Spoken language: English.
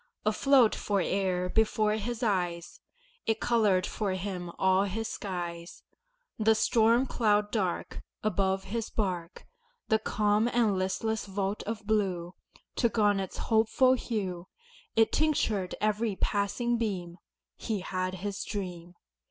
Afloat fore'er before his eyes, It colored for him all his skies: The storm cloud dark Above his bark, The calm and listless vault of blue Took on its hopeful hue, It tinctured every passing beam He had his dream.